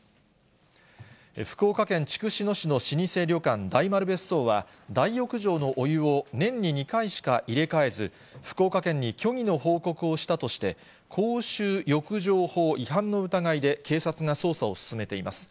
福岡県筑紫野市の老舗旅館、大丸別荘は、大浴場のお湯を年に２回しか入れ替えず、福岡県に虚偽の報告をしたとして、公衆浴場法違反の疑いで警察が捜査を進めています。